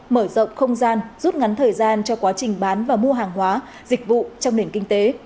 mở rộng không gian rút ngắn thời gian cho quá trình bán và mua hàng hóa dịch vụ trong nền kinh tế